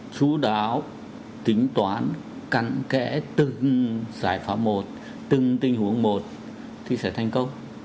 chú đáo tính toán cặn kẽ từng giải pháp một từng tình huống một thì sẽ thành công